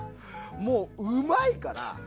もう、うまいから。